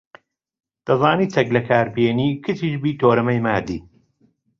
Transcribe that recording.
دەزانی چەک لەکار بێنی، کچیش بی تۆرمەی مادی